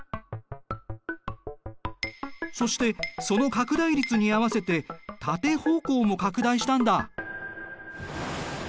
そしてその拡大率に合わせて縦方向も拡大したんだ。